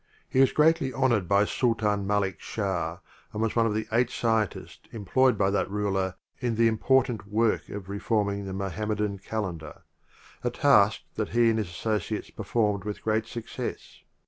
He was greatly honored by Sultan Malik Shah and was vi one of eight scientists employed by that The ruler in the important work of reforming Pre f ac * the Mohammedan calendar — a task that he and his associates performed with great success.